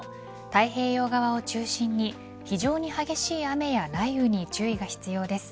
太平洋側を中心に非常に激しい雨や雷雨に注意が必要です。